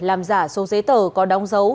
làm giả số giấy tờ có đóng dấu